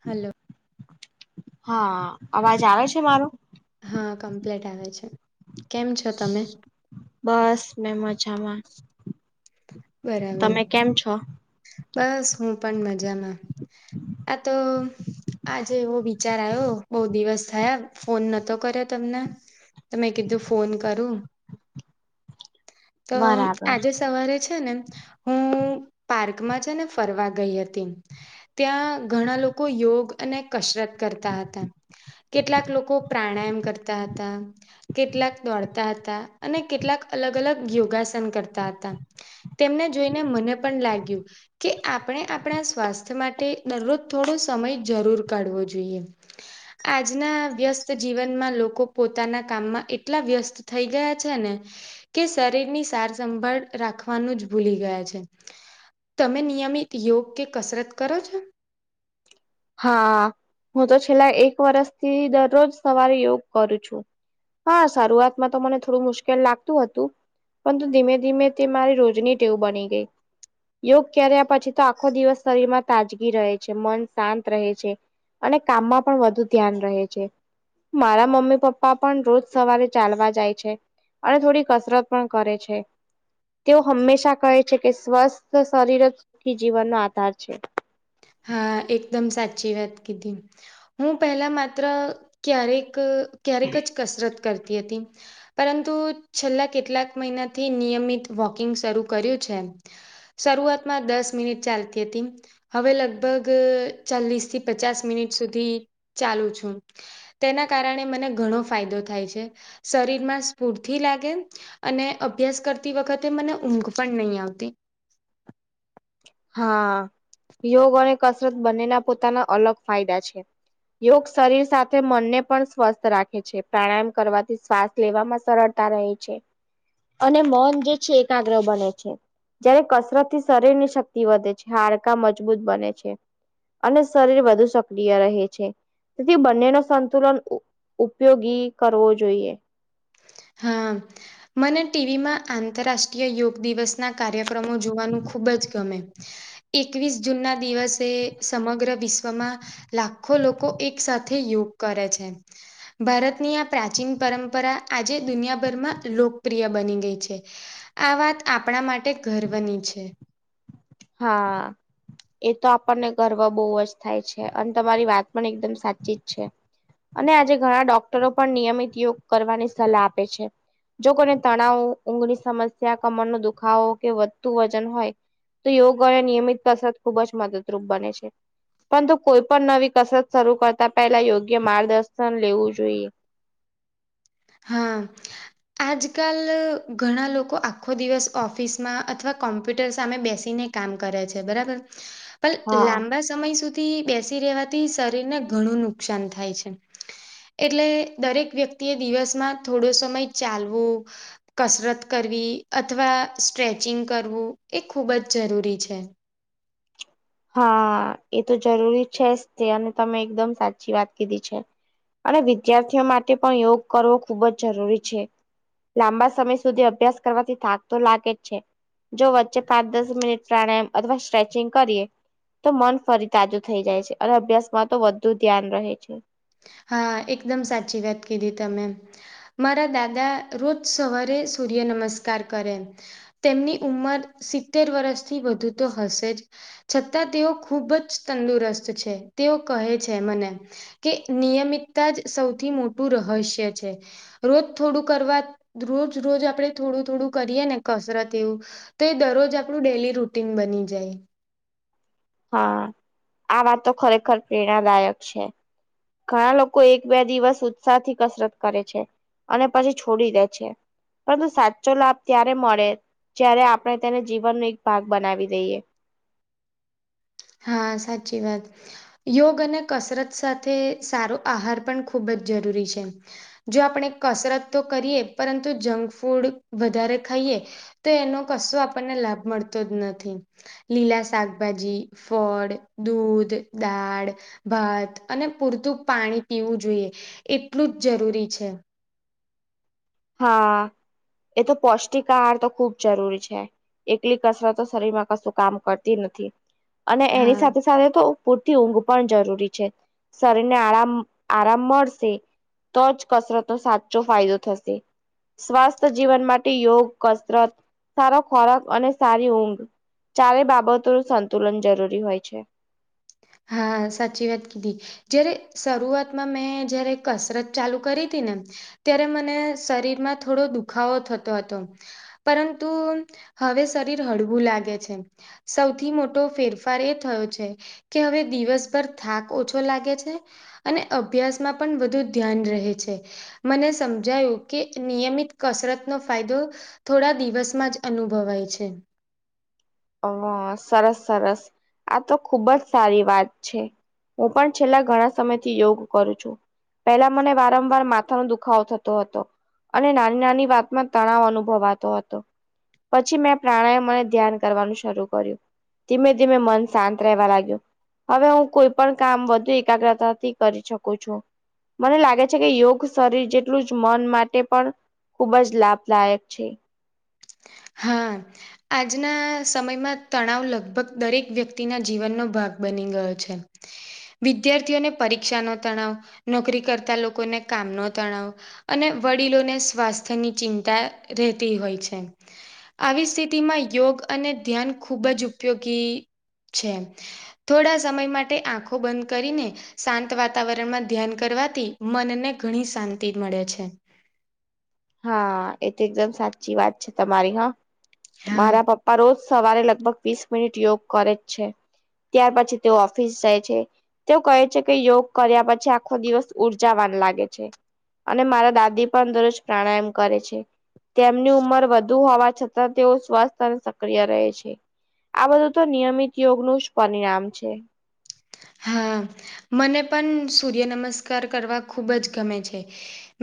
Hello! હા, અવાજ આવે છે મારો? હા, કમ્પ્લેટ આવે છે. કેમ છો તમે? બસ મેં મજામાં. બરાબર. તમે કેમ છો બસ હું પણ મજામાં. આ તો આજે એવો વિચાર આવ્યો બહુ દિવસ થયા ફોન નતો કર્યો તમને તો મેં કીધું ફોન કરું તો બરાબર આજે સવારે છે ને હું પાર્કમાં છે ને ફરવા ગઈ હતી. ત્યાં ઘણા લોકો યોગ અને કસરત કરતા હતા. કેટલાક લોકો પ્રાણાયામ કરતા હતા, કેટલાક દોડતા હતા અને કેટલાક અલગ અલગ યોગાસન કરતા હતા. તેમને જોઈને મને પણ લાગ્યું કે આપણે આપણા સ્વાસ્થ્ય માટે દરરોજ થોડો સમય જરૂર કાઢવો જોઈએ. આજના વ્યસ્ત જીવનમાં લોકો પોતાના કામમાં એટલા વ્યસ્ત થઈ ગયા છે ને કે શરીરની સારસંભાળ રાખવાનું જ ભૂલી ગયા છે. તમે નિયમિત યોગ કે કસરત કરો છો? હા, હું તો છેલ્લા એક વર્ષથી દરરોજ સવારે યોગ કરું છું. હા, શરૂઆતમાં તો મને થોડું મુશ્કેલ લાગતું હતું પરંતુ ધીમે ધીમે તે મારી રોજની ટેવું બની ગઈ. યોગ કર્યા પછી તો આખો દિવસ શરીરમાં તાજગી રહે છે. મન શાંત રહે છે અને કામમાં પણ વધુ ધ્યાન રહે છે. મારા મમ્મી પપ્પા પણ રોજ સવારે ચાલવા જાય છે અને થોડી કસરત પણ કરે છે. તેઓ હંમેશા કહે છે કે સ્વસ્થ શરીર જ જીવનનો આધાર છે. હા, એકદમ સાચી વાત કીધી. હું પહેલા માત્ર ક્યારેક, ક્યારેક જ કસરત કરતી હતી પરંતુ છેલ્લા કેટલાક મહિનાથી નિયમિત વોકિંગ શરૂ કર્યું છે. શરૂઆતમાં દસ મિનિટ ચાલતી હતી. હવે લગભગ ચાલીસ થી પચાસ મિનિટ સુધી ચાલું છું. તેના કારણે મને ઘણો ફાયદો થાય છે. શરીરમાં સ્ફૂર્તિ લાગે અને અભ્યાસ કરતી વખતે મને ઊંઘ પણ નહી આવતી. હા, યોગ અને કસરત બંનેના પોતાના અલગ ફાયદા છે. યોગ શરીર સાથે મનને પણ સ્વસ્થ રાખે છે. પ્રાણાયામ કરવાથી શ્વાસ લેવામાં સરળતા રહે છે. અને મન જે છે એકાગ્ર બને છે જયારે કસરત થી શરીરની શક્ તિ વધે છે, હાડકા મજબૂત બને છે અને શરીર વધુ સક્રિય રહે છે. તેથી બંને નો સંતુલન ઉપ ઉપયોગી કરવો જોઈએ. હા. મને ટીવીમાં આંતરરાષ્ટ્રીય યોગ દિવસના કાર્યક્રમો જોવાનું ખૂબ જ ગમે. એકવીસ જૂનના દિવસે સમગ્ર વિશ્વમાં લાખો લોકો એક સાથે યોગ કરે છે. ભારતની આ પ્રાચીન પરંપરા આજે દુનિયાભરમાં લોકપ્રિય બની ગઈ છે. આ વાત આપણા માટે ગર્વની છે. હા. એ તો આપણને ગર્વ બહુ જ થાય છે અને તમારી વાત પણ એકદમ સાચી જ છે. અને આજે ઘણા ડોક્ટરો પણ નિયમિત યોગ કરવાની સલાહ આપે છે. જો કોઈને તણાવ, ઊંઘની સમસ્યા, કમર નો દુખાવો કે વધતું વજન હોય તો યોગ અને નિયમિત કસર ખુબ જ મદદરૂપ બને છે. પરંતુ કોઈ પણ નવી કસરત શરૂ કરતા પહેલા યોગ્ય માર્ગદર્શન લેવું જોઈએ. હા. આજકાલ ઘણા લોકો આખો દિવસ ઓફિસમાં અથવા કોમ્પ્યુટર સામે બેસીને કામ કરે છે બરાબર પણ હા. લાંબા સમય સુધી બેસી રહેેવાથી શરીરને ઘણું નુકસાન થાય છે. એટલે દરેક વ્યક્તિ એ દિવસમાં થોડો સમય ચાલવુ કસરત કરવી અથવા સ્ટ્રેચિંગ કરવું એ ખૂબ જ જરૂરી છે. હા એ તો જરૂરી છે જ તે અને તમે એકદમ સાચી વાત કીધી છે. અને વિદ્યાર્થીઓ માટે પણ યોગ કરવો ખૂબ જ જરૂરી છે. લાંબા સમય સુધી અભ્યાસ કરવાથી થાક તો લાગે જ છે. જો વચ્ચે પાંચ દસ મિનિટ પ્રાણાયામ અથવા સ્ટ્રેચિંગ કરીએ. તો મન ફરી તાજું થઈ જાય છે અને અભ્યાસમાં તો વધુ ધ્યાન રહે છે. હા એકદમ સાચી વાત કીધી તમે. મારા દાદા રોજ સવારે સૂર્ય નમસ્કાર કરે. તેમની ઉંમર સિત્તેર વર્ષથી વધુ તો હશે જ છતાં તેઓ ખૂબ જ તંદુરસ્ત છે. તેઓ કહે છે મને કે નિયમિતતા જ સૌથી મોટું રહસ્ય છે. રોજ થોડું કરવા રોજ રોજ આપડે થોડું થોડું કરીએે ને કસરત એવું તો એ દરરોજ આપણું ડેલી રૂટીન બની જાય. હા, આ વાત તો ખરેખર પ્રેરણાદાયક છે. ઘણા લોકો એક બે દિવસ ઉત્સાહ થી કસરત કરે છે. અને પછી છોડી દે છે. પરંતુ સાચો લાભ ત્યારે મળે જ્યારે આપણે તેને જીવનનો એક ભાગ બનાવી દઈએ. હા સાચી વાત. યોગ અને કસરત સાથે સારો આહાર પણ ખૂબ જ જરૂરી છે. જો આપણે કસરત તો કરીએ પરંતુ જંક ફૂડ વધારે ખાઈએ તો એનો કશો આપણને લાભ મળતો જ નથી. લીલા શાકભાજી ફળ, દૂધ, દાળ ભાત અને પૂરતું પાણી પીવું જોઈએ એટલું જ જરૂરી છે. હા એ તો પૌષ્ટિક આહાર તો ખુબ જરૂરી છે. એકલી કસરતતો શરીરમાં કશું કામ કરતી નથી અને એની હા સાથે સાથે તો પૂરતી ઊંઘ પણ જરૂરી છે. શરીર ને આરામ આરામ મળશે તો જ કસરતનો સાચો ફાયદો થશે. સ્વાસ્થ્ય જીવન માટે યોગ કસરત, સારો ખોરાક અને સારી ઊંઘ ચારે બાબતોનું સંતુલન જરૂરી હોય છે. હા સાચી વાત કીધી. જયારે શરૂઆતમાં મેં જયારે કસરત ચાલુ કરી હતી ને ત્યારે મને શરીરમાં થોડો દુખાવો થતો હતો. પરંતુ હવે શરીર હળવું લાગે છે. સૌથી મોટો ફેરફાર એ થયો છે કે હવે દિવસભર થાક ઓછો લાગે છે અને અભ્યાસમાં પણ વધુ ધ્યાન રહે છે. મને સમજાયું કે નિયમિત કસરતનો ફાયદો થોડા દિવસમાં જ અનુભવાય છે. હ સરસ સરસ આ તો ખુબ જ સારી વાત છે. હું પણ છેલ્લા ઘણા સમયથી યોગ કરું છું. પેલા મને વારંવાર માથાનો દુખાવો થતો હતો. અને નાની નાની વાતમાં તણાવ અનુભવાતો હતો પછી મેં પ્રાણાયામને ધ્યાન કરવાનું શરૂ કર્યું ધીમે ધીમે મન શાંત રહેવા લાગ્યું. હવે હું કોઈ પણ કામ વધુ એકાગ્રતાથી કરી શકું છું. મને લાગે છે કે યોગ શરીર જેટલું જ મન માટે પણ ખુબ જ લાભદાયક છે. હા. આજના સમયમાં તણાવ લગભગ દરેક વ્યક્તિના જીવનનો ભાગ બની ગયો છે. વિદ્યાર્થીઓને પરીક્ષા નો તણાવ નોકરી કરતા લોકોને કામ નો તણાવ. અને વડીલોને સ્વાસ્થ્યની ચિંતા રહેતી હોય છે. આવી સ્થિતિમાં યોગ અને ધ્યાન ખૂબ જ ઉપયોગી છે. થોડા સમય માટે આંખો બંધ કરીને. શાંત વાતાવરણમાં ધ્યાન કરવાથી મનને ઘણી શાંતિ મળે છે. હા એ તો એકદમ સાચી વાત છે તમારી હા હા મારા પપ્પા રોજ સવારે લગભગ વીસ મિનિટ યોગ કરે જ છે ત્યાર પછી તેઓ ઓફિસ જાય છે. તેઓ કહે છે કે યોગ કર્યા પછી આખો દિવસ ઉર્જાવાન લાગે છે. અને મારા દાદી પણ દરરોજ પ્રાણાયામ કરે છે તેમની ઉંમર વધ વધુ હોવા છતાં તેઓ સ્વાસ્થ અને સક્રિય રહે છે. આ બધું તો નિયમિત યોગનું જ પરિણામ છે. હા મને પણ સૂર્ય નમસ્કાર કરવા ખૂબ જ ગમે છે.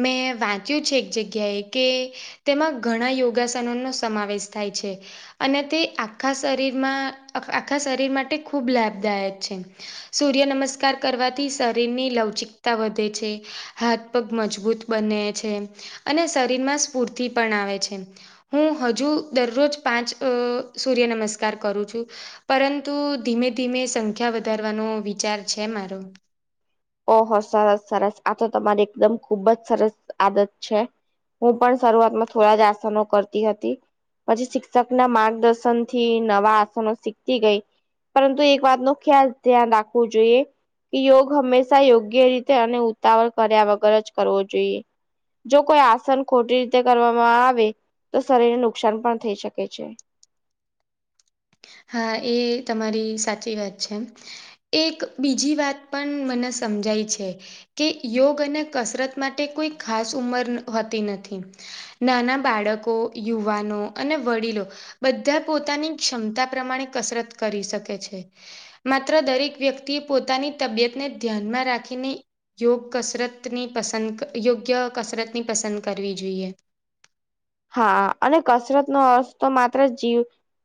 મેં વાંચ્યું છે, એક જગ્યાએ કે. તેમાં ઘણા યોગાસનોનો સમાવેશ થાય છે. અને તે આખા શરીરમાં આખા શરીર માટે ખૂબ લાભદાયક છે. સૂર્ય નમસ્કાર કરવાથી શરીરની લવચિકતા વધે છે, હાથ. પગ મજબૂત બને છે, અને શરીરમાં સ્ફૂર્તિ પણ આવે છે. હું હજુ દરરોજ પાંચ અ સૂર્ય નમસ્કાર કરું છું. પરંતુ ધીમે ધીમે સંખ્યા વધારવાનો વિચાર છે, મારો ઓહ હો સરસ-સરસ આ તો તમારી એકદમ ખુબ જ સરસ આદત છે. હું પણ શરૂઆતમાં થોડા જ આસનો કરતી હતી. પછી શિક્ષક ના માર્ગદર્શન થી નવા આસનો શીખતી ગઈ. પરંતુ એક વાત નુ ખ્યાલ ધ્યાન રાખવું જોઈએ કે યોગ હંમેશા શા યોગ્ય રીતે અને ઉતાવળ કર્યા વગર જ કરવો જોઈએ. જો કોઈ આસન ખોટી રીતે કરવામાં આવે તો શરીરને નુકસાન પણ થઈ શકે છે. હા એ તમારી સાચી વાત છે. એક બીજી વાત પણ મને સમજાય છે. કે યોગ અને કસરત માટે કોઈ ખાસ ઉંમર હોતી નથી. નાના બાળકો, યુવાનો અને વડીલો બધા પોતાની ક્ષમતા પ્રમાણે કસરત કરી શકે છે. માત્ર દરેક વ્યક્તિએ પોતાની તબિયતને ધ્યાનમાં રાખીને. યોગ કસરતની પસંદ યોગ્ય કસરતની પસંદ કરવી જોઈએ. હા અને કસરત નો અર્થ તો માત્ર જીવ.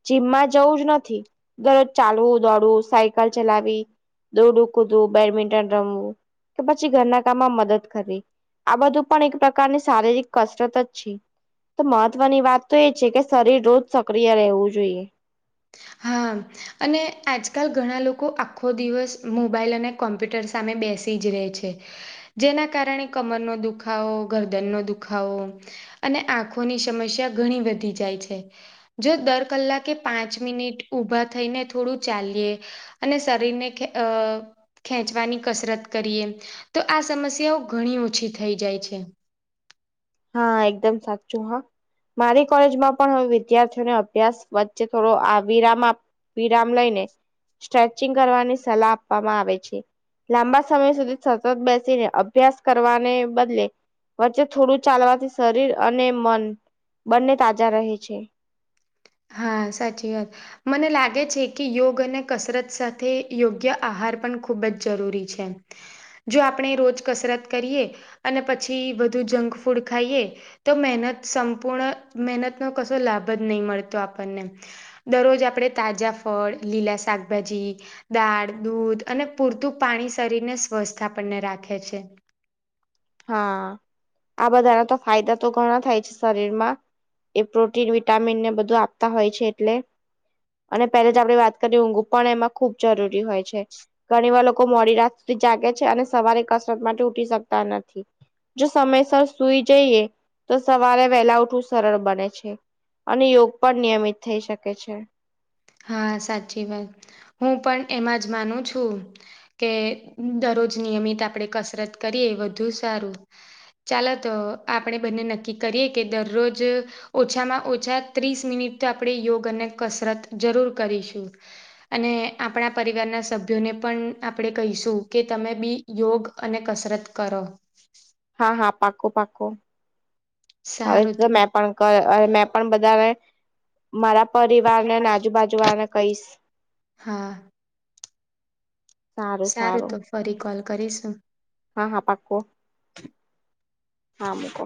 જીમમાં જવું જ નથી દરરોજ ચાલવું દોડવું સાયકલ ચલાવી દોડુ કુદૂ બેડમિન્ટન રમવું કે પછી ઘરના કામમાં મદદ કરવી. આ બધું પણ એક પ્રકારની શારીરિક કસરત જ છે. તો મહત્વની વાત તો એ છે, કે શરીર રોજ સક્રિય રહેવું જોઈએ. હા. અને આજકાલ ઘણા લોકો આખો દિવસ મોબાઈલ અને કોમ્પ્યુટર સામે બેસી જ રહે છે. જેના કારણે કમરનો દુખાવો, ગરદનનો દુખાવો. અને આંખોની સમસ્યા ઘણી વધી જાય છે. જો દર કલાક કે પાંચ મિનિટ. ઉભા થઈને થોડું ચાલીએ અને શરીરને. ખેંચવાની કસરત કરીએ તો આ સમસ્યાઓ ઘણી ઓછી થઈ જાય છે. હા એકદમ સાચું હા. મારી કોલેજમાં પણ હવે વિદ્યાર્થીઓને અભ્યાસ વચ્ચે થોડો વિરામ. વિરામ લઈને સ્ટ્રેચિંગ કરવાની સલાહ આપવામાં આવે છે. લાંબા સમય સુધી સતત બેસીને અભ્યાસ કરવાને બદલે વચ્ચે થોડું. ચાલવાથી શરીર અને મન બંને તાજા રહે છે. હા સાચી વાત. મને લાગે છે, કે યોગ અને કસરત સાથે યોગ્ય આહાર પણ ખૂબ જ જરૂરી છે. જો આપણે રોજ કસરત કરીએ અને પછી વધધુ જંક ફૂડ ખાઈએ તો મહેનત સંપૂર્ણ મહેનતનો કશો લાભ જ નહીં મળતો આપણને. દરરોજ આપણેે તાજા ફળ લીલા શાકભાજી. દાળ દૂધ અને પૂરતું પાણી શરીરને સ્વસ્થ આપણને રાખે છે. હા આ બધાના તો ફાયદા તો ઘણા થાય છે, શરીરમાં. એ પ્રોટીન વિટામીનને બધું આપતા હોય છે, એટલે. અને પહેલે જ આપણે વાત કરીએ ઊંઘું પણ એમાં ખૂબ જરૂરી હોય છે. ઘણી વાર લોકો મોડી રાત સુધી જાગે છે, અને સવારે કસરત માટે ઉઠી શકતા નથી. જો સમયસર સુઈ જઈએ તો સવારે વહેલા ઉઠવું સરળ બને છે. અને યોગ પણ નિયમિત થઈ શકે છે. હા સાચી વાત હું પણ એમાં જ માનું છું. કે દરરોજ નિયમિત આપણેે કસરત કરીએ વધુ સારું. ચાલો તો આપણે બંને નક્કી કરીએ કે દરરોજ. ઓછામાં ઓછા ત્રીસ મિનિટ આપણે યોગ અને કસરત જરૂર કરીશું. અને આપણા પરિવારના સભ્યોને પણ આપણે કહીશું કે તમે બી. યોગ અને કસરત કરો. હા હા પાકોું પાકોું હવે તો મેં પણ. મેં પણ બધા. મારા પરિવારને આજુબાજુ વાળાને કહીશ. હા સારું તો ફરી કોલ કરીશું. હા હા પાકવ હા મક.